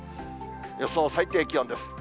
予想最低気温です。